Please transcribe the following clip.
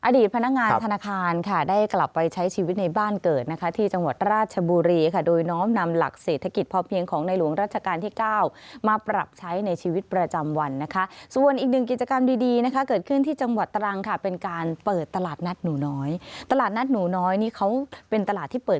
พนักงานธนาคารค่ะได้กลับไปใช้ชีวิตในบ้านเกิดนะคะที่จังหวัดราชบุรีค่ะโดยน้อมนำหลักเศรษฐกิจพอเพียงของในหลวงราชการที่เก้ามาปรับใช้ในชีวิตประจำวันนะคะส่วนอีกหนึ่งกิจกรรมดีดีนะคะเกิดขึ้นที่จังหวัดตรังค่ะเป็นการเปิดตลาดนัดหนูน้อยตลาดนัดหนูน้อยนี่เขาเป็นตลาดที่เปิด